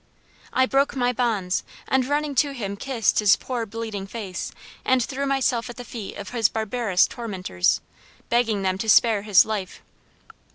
"I broke my bonds, and running to him kissed his poor bleeding face, and threw myself at the feet of his barbarous tormentors, begging them to spare his life.